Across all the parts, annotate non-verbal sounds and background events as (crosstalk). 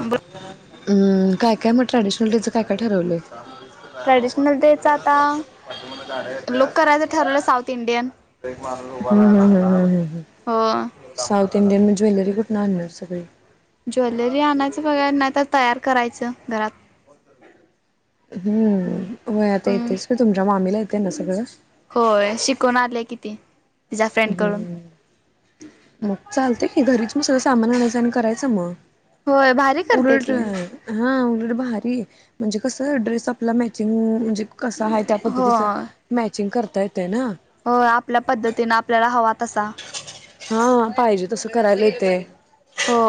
ब काय काय मग ट्रॅडिशनल डे च काय काय ठरवलंय? ट्रॅडिशनल डे च आता लुक करायचं हम्म ठरवलं साऊथ इंडियन हम्म हं. अं. साऊथ इंडियन, म ज्वेलरी कुठून आणणार सगळी? ज्वेलरी आणायचं बघा, नायतर तयार करायचं घरात. हम्म. होय आता हम्म येतेच की, तुमच्या मामीला येतय ना सगळं? होय. शिकून आलीया कि ती तिच्या फ्रेंडकडून. मग चालतय की, घरीच मग सगळं सामान आणायचं आणि करायचं होय भारी मग- करते उलट, ती हा. उल- भारी. म्हणजे कस? ड्रेस आपला मॅचिंग म्हणजे कसा आहे त्या पद्धतीच मॅ- चिंग करता येतए ना? होय. आपल्या पद्धतीने आपल्याला हवा तसा. हा पाहिजे तसं करायला येतय. हो.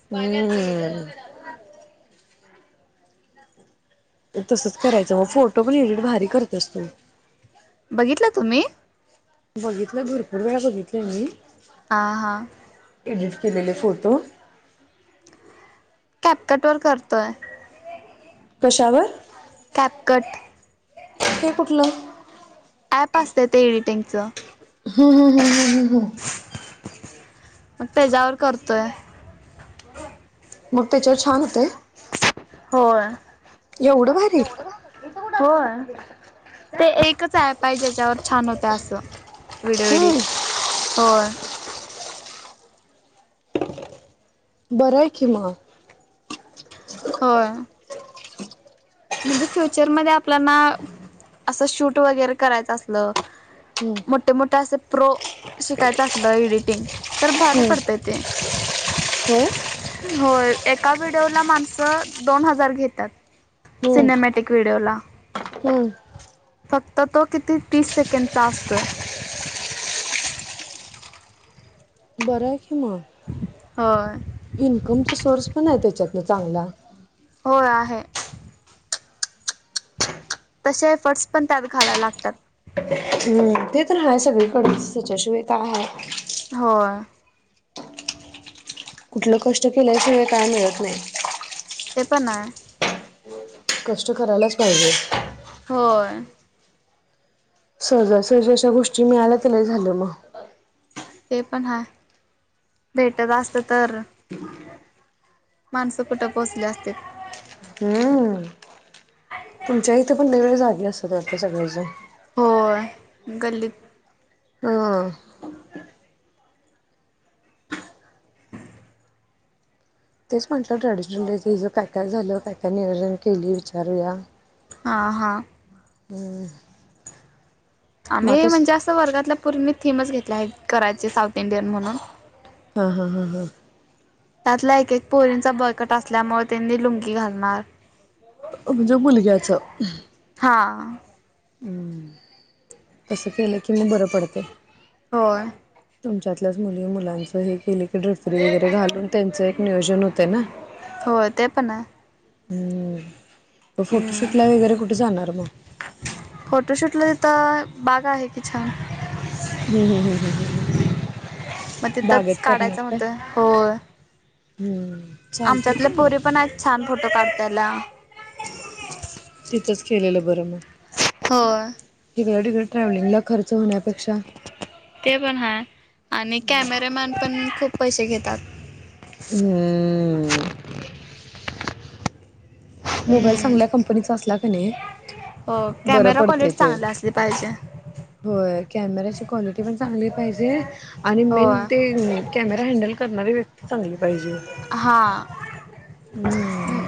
(unintelligible) तसच करायचं मग, फोटो पण एडिट भारी करतेस तू. बघितलं तुम्ही? बघितलं. भरपूर वेळा बघितलंय मी- हा हा. एडिट केलेले फोटो. कॅप कटवर करतोय. कशावर? CapCut. हे कुठलं? ॲप असत ते एडिटिंगचं. ह ह ह ह. मग त्याच्यावर करतोय. मग त्याच्यावर छान होतंय? होय. एवढं भारी होय. ते एकच ऍप आहे ज्याच्यावर छान होत असं. Video edit. हम्म होय. बराय कि म. होय. म्हणजे फ्युचरमध्ये आपल्याला ना, असं शूट वगैरे करायचं असलं- हम्म मोठे मोठे असं प्रो शिकायचं असलं, एडिटिंग तर भारी हम्म पडतंय ते. (unintelligible) होय. एका व्हिडिओला माणसं दोन हजार घेतात. हम्म सिनॅमॅटिक व्हिडिओला. हम्म फक्त तो किती तीस सेकंदचा असतोय. बर आहे कि म. होय इन्कमचा सोर्स पण आहे त्याच्यात. न चांगला. होय आहे. तसे एफर्ट्स पण त्यात घालाय लागतात. हम्म. ते तर आहे सगळीकडच त्याच्याशिवाय काय हाय? होय. कुठलं कष्ट केल्याशिवाय काय मिळत नाही. प ना. कष्ट करायलाच पाहिजे. होय. सहजासहजी अशा गोष्टी मिळाल्यातर लई झालं मग- ते पण हाए. भेटत असत तर- माणसंपट पोचले असते. हम्म तुमच्या इथे पण वेगवेगळ्या जागी असतात का सगळेजण होय गल्लीत हा तेच म्हटलं ट्रॅडिशनल ड्रेसेस काय काय झालं काय काय नियोजन केली विचारूया हा हा‌. (unintelligible) मग आम्ही आता म्हणजे असं वर्गातल्या पोरीनी थीमच घेतल्या आहे करायचे साऊथ इंडियन म्हणून हा हा हा हा. त्यातल्या एकक पोहरींचा बळकट असल्यामुळे त्यांनी लुंगी घालणार म्हणजे मुलग्याच हा हम्म कस केलं की मगं बरं पडते हो. (inaudible) (unintelligible) वगैरे घालून त्यांच एक नियोजन होतय ना होय ते पण आहे हम्म हम्म फोटोशूट ला वगैरे कुठे जाणार मगं? तर बघा आहेत की छान हम्म हम्म हम्म हम्म मगं तिथंच काढायचं म्हणतोय होय होय- हम्म चालतंय आमच्यातले की मग पोरी पण आहेत छान फोटो काढतायला तिथंच केलेलं बरं मगं होय. विकड ट्रॅव्हलिंगला खर्च होण्यापेक्षा ते पण हाय आणि कॅमेरामॅन पण खूप पैसे घेतात हम्म. मोबाईल चांगल्या हम्म कंपनीचा असला का कनी हो कॅमेरा क्वालिटी चांगली असली पाहिजे होय कमेराची क्वालिटी पण चांगली पाहिजे आणि हो मेन कॅमेरा (inaudible) पाहिजे. हा हम्म.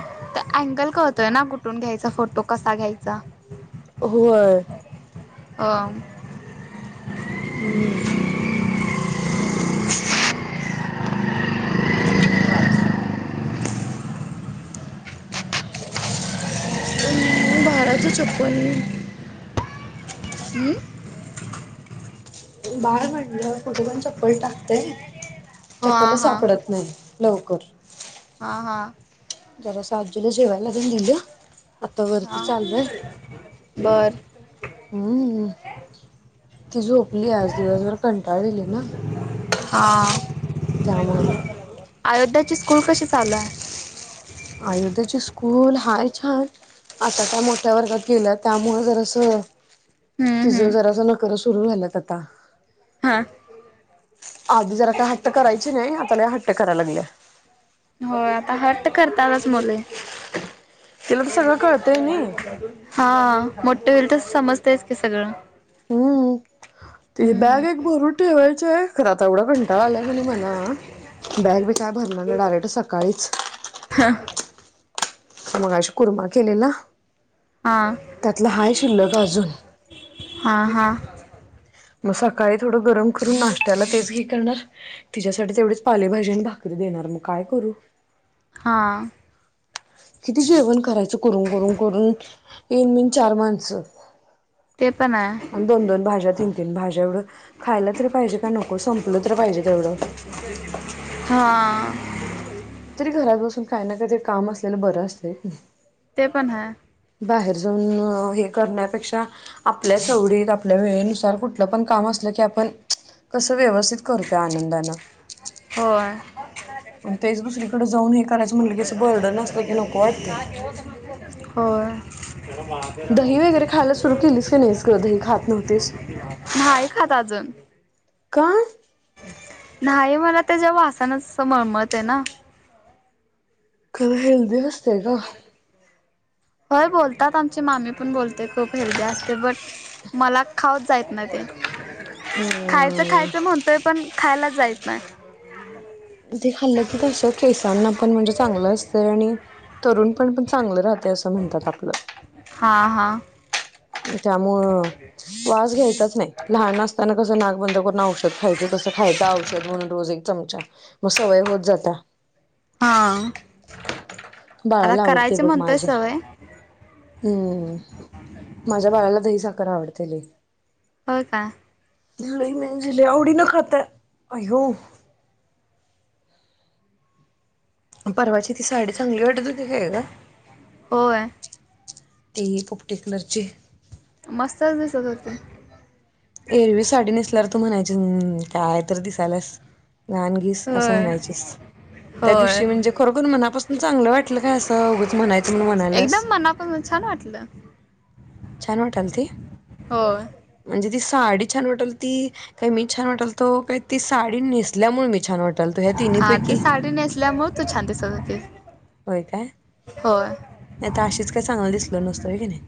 अंकल य ना कुठून घ्यायचा फोटो कसा घ्यायचा होय. (unintelligible) हम्म.. (inaudible) हम्म. बाळ म्हटलं कुठे पण चप्पल टाकतेय हो चप्पल हा हा सापडत नाही लवकर हा हा जरा सासुला जेवायला तेन दिली आता वरती चाललय बरं.. हम्म. ती झोपली आज दिवसभर कंटाळली ना हा. त्यामुळे. अयोध्याची स्कूल कसे चालू आहे? अयोधध्येचे स्कूल हाय छान आता त्या मोठ्या वर्गात गेल्या त्यामुळं जर अस हम्म तिच हम्म जरास नकर सुरू झालंत आता हा आधी जरा काय हट्ट करायचे नाही आता लय हट्ट करायला लागले होय आता हट्ट करतातच मुले तिला तर सगळं कळतंय नाही हा मोठे होईल तर समजतयच क सगळं हम्म त हम्म बॅग एक भरून ठेवायचं आहे खरं आता एवढा कंटा आलाय नाही मला बॅग काय भरणारना डायरेक्ट सकाळीच मग अशी कुरमा केलेला हा त्यातलं हाय शिल्लक अजून हा हा मग सकाळी थोडं गरम करून नाशत्याला तेच घ करणार तिच्यासाठी तेवढीच पालेभाजी आणि भाकरी देणार मग काय करू हा किती जेवण करायचं करून करून करून तन मिन चार माणस ते पण आहे आणि दोन दोन भाष्या त भाज्या एवढं खायला तरी पाहिजे का नको संपलं तररी पाहिजे तेवढं हां तरी घरात बसून काही ना काहीतरी काम असलेलं बरं असत ते पण ह बाहेर जाऊन हे करण्यापेक्षा आपल्याचवडीत आपल्या वेळेनुसार कुठलं पण काम असत की आपण कस व्यवस्थित करतो आनंदान हो ग तेच दुसरीकडे जाऊन हे करायचं म्हटलं की अस बर्डर नसलं की नको वाटते हो दही वगैरे खायला सुरु केलीस काी नाहीच ग दही खात नव्हतीस नाही खात अजून का नाही मला त्याच्या वासानच मळमत आहे ना का बवस्त आहे का होय बोलतात आमची मामी पण बोलते खूप हेरदी असते बट मला खाऊत जायत ना ते खायचं हम्म खायचं म्हणतोय पण खायलाच जायच ना ते खाल्लं की केसांना पण म्हणजे चांगलं असते आणि तरुण पण पण चांगलं राहते असं म्हणतात आपलं हा हा त्यामु वास घ्यायचाच नाही लहान असताना कसं नाक बंद करून औषध खायच कसं खायं औषध म्हणून रोज एक चमचा मग सवय होत जाता हा आता बाळाला आवडते करायची बघ म्हणतोय माझ्या सवय हम्म माझ्या बाळाला दही साखर आवडते ल हो का म जलवडी ना खात्या आयो परवाची ती साडी चांगली वाटत हो त काय का होय ते पपटे कलरचे मस्तच दिसतत हो ते एरवी साडी नेसल्यावर तू म्हणायची काय तर दिसायलास लहानगीस असं होय म्हणायचीस त्या होय दिवशी म्हणजे खरोखर मनापासून चांगलं वाटलं काय असं अगंच म्हणायचं म्हणून म्हणाल्यास एकदम मनापासून छान वाटलं छान वाटल ती हो म्हणजे ती साडी छान वाटेल ती काही मी छान वाटेल तो काही ती साडी नेसल्यामुळे मी छान वाट हा ते साडी नेसल्यामुळे तू छानतेसते होय काय नाहीता अशीच काही चांगल दिसल नसतो आहे की नाही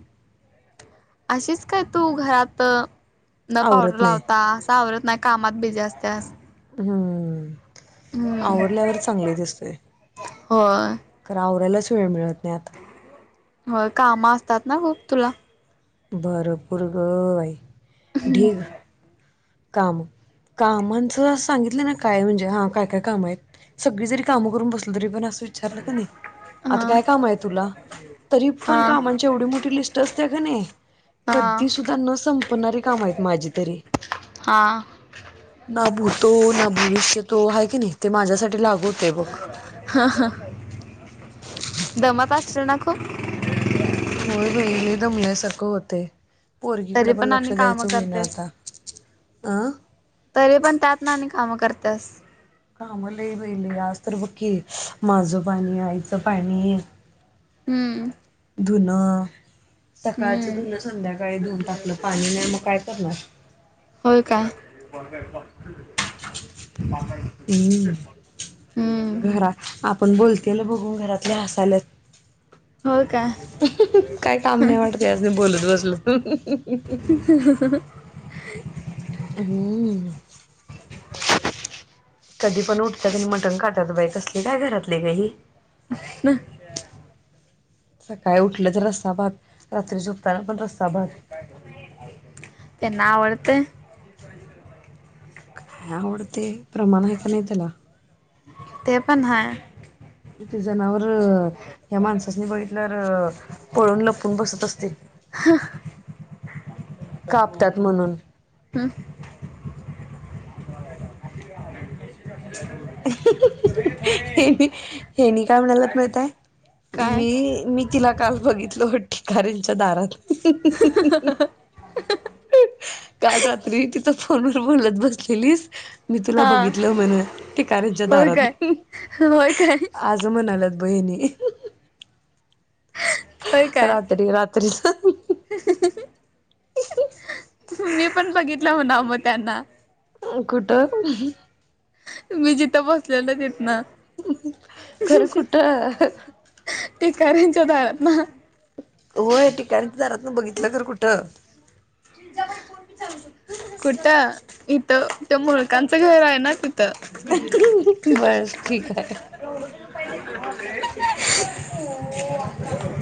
अशीच काय तू घरात न पावडर आवरत नाही. लावता असं आवरत नाही कामात बिझी असतेस हम्म आवरल्यावर चांगले दिसतंय, खरं आवरायलाच वेळ मिळत नाही आता. व्ह काम असतात ना, मग तुला? भरपूर ग बाई, ढीग, काम. कामांच सांगितलं ना काय, म्हणजे हां, काय काय काम आहेत? सगळी जरी कामं करून बसलं तरी पण असं विचारलं का नाही? ह आता काय काम आहे तुला? तरी ह पण कामांची एवढी मोठी लिस्ट असते का नाही? ह कधी सुुद्धा न संपणारी काम आहेत माझी तरी. हा ना भूतो ना भविष्यतो हाय की नाही, ते माझ्यासाठी लागू होते बघ हं ह दमत असशील ना खूप? होय बहिणी, दमल्या सारखं होतय. पोरगीकडे तरी पण लक्ष आणि काम द्यायचं, होईना करतेस आता, अं तरी पण त्यात ना आमी, कामं करत्यास काम लय बाई, मी आज तर बक्क केली. माझं पाणी, आईचं पाणी हम्म - धूणं सकाळचं धूण, संध्याकाळी धुऊन टाकलं, पाणी नाही मग काय करणार? होय काय? हम्म हम्म घरात, आपण बोल केलं बघून घरातले हसायला हायतं हो का? वाटत यासनी बोलत बसलं (unintelligible) (unintelligible) हम्म कधी पण उठतात आणि मटण खातात बाई, कसले काय घरातले बाई? (unintelligible) सकाळी उठलं तर रस्सा भात, रात्री झोप त्यांना आवडतंय? काय आवडते, प्रमाण हाय का नाही त्याला? ते पण हाय. ते जनावरर्, ह्या माणसासनी बघितल्यावर्, पळून लपून बसत असतील. (unintelligible) कापतात म्हणून हे हेनी काय म्हणलात माहित आहे? काय मी मी तिला काल बघितलं हो ठिकाऱांच्या दारात. (unintelligible) काल रात्री तिथं फोनवर बोलत बसलेलीस. मी तुला हा बघितलं म्हण, ठिकाऱ्यांच्या होय दारात, काय होय काय आज म्हणालं. बहिणी होय काय रात्री रात्री मी पण बघितलं हो ना, मग त्यांना. कुठं? मी जिथं बसलेल तिथंन. खरं कुठं? ठिकार्‍यांच्या दारात ना? होय ठिकाणं, जरा तू बघितलं का रे कुठं? कुठं इथं? त्या मुळकांचं घर आहे ना ती (unintelligible) बसं,, ठीक आहे. (inaudible)